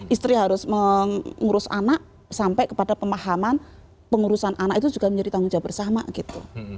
istri harus mengurus anak sampai kepada pemahaman pengurusan anak itu juga menjadi tanggung jawab bersama gitu